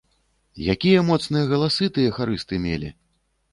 Якія моцныя галасы тыя харысты мелі!